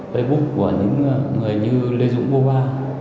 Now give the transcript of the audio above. facebook của những người như lê dũng bô ba